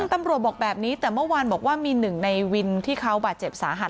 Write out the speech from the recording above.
ตำรวจบอกแบบนี้แต่เมื่อวานบอกว่ามีหนึ่งในวินที่เขาบาดเจ็บสาหัส